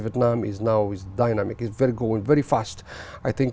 việt nam bây giờ rất nhanh chóng rất nhanh chóng